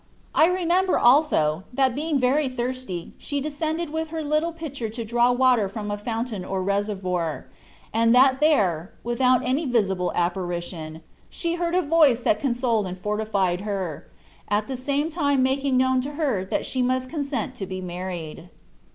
I remember also that being very thirsty she de scended with her little pitcher to draw water from a fountain or a reservoir, and that there, without any visible ap parition, she heard a voice which con soled and fortified her, at the same time making known to her that she must con sent to be married.